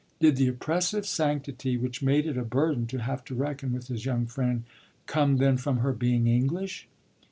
Did the oppressive sanctity which made it a burden to have to reckon with his young friend come then from her being English?